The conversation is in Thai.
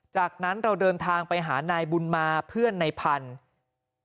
จากนั้นเราเดินทางไปหานายบุญมาเพื่อนในพันธุ์